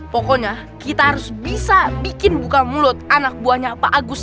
pokoknya kita harus bisa bikin buka mulut anak buahnya pak agus